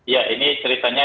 ya ini ceritanya